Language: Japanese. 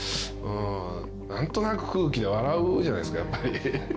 なんとなく空気で笑うじゃないですかやっぱり。